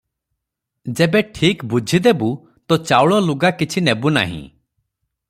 ଯେବେ ଠିକ ବୁଝି ଦେବୁ, ତୋ ଚାଉଳ ଲୁଗା କିଛି ନେବୁଁ ନାହିଁ।"